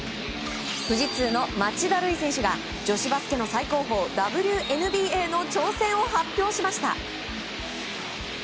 富士通の町田瑠唯選手が女子バスケの最高峰ＷＮＢＡの挑戦を発表しました。